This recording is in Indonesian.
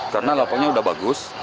karena lapangnya udah bagus